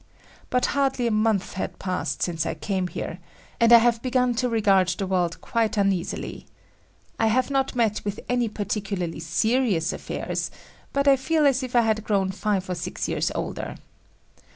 But hardly a month had passed since I came here, and I have begun to regard the world quite uneasily. I have not met with any particularly serious affairs, but I feel as if I had grown five or six years older.